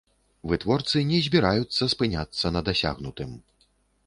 Вытворцы не збіраюцца спыняцца на дасягнутым.